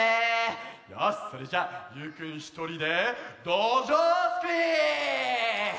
よしそれじゃゆうくんひとりで「どじょうすくい」！